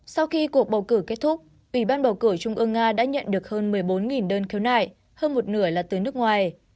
sau khi cuộc bầu cử kết thúc ủy ban bầu cử trung ương nga đã nhận được hơn một mươi bốn đơn khiếu nại hơn một nửa là từ nước ngoài